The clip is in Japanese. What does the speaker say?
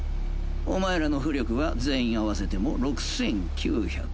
お前らの巫力は全員合わせても６９００。